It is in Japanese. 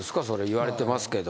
言われてますけど。